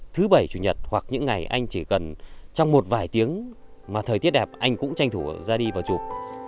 thứ bảy chủ nhật hoặc những ngày anh chỉ cần trong một vài tiếng mà thời tiết đẹp anh cũng tranh thủ ra đi vào chụp